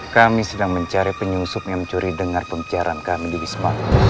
kami sedang mencari penyusup yang mencuri dengar pembicaraan kami di wisma